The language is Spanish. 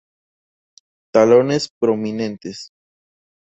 Talones prominentes.